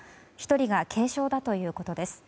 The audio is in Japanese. １人が軽傷だということです。